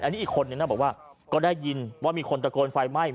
อันนี้อีกคนนึงนะบอกว่าก็ได้ยินว่ามีคนตะโกนไฟไหม้